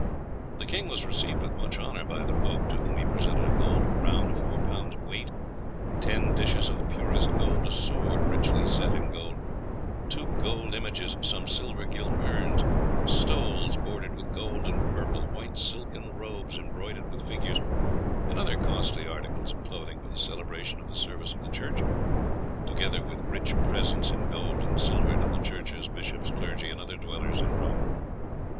The king was received with much honour by the pope, to whom he presented a gold crown of four pounds weight, ten dishes of the purest gold, a sword richly set in gold, two gold images, some silver gilt urns, stoles bordered with gold and purple, white silken robes embroidered with figures, and other costly articles of clothing for the celebration of the service of the church, together with rich presents in gold and silver to the churches, bishops, clergy, and other dwellers in Rome.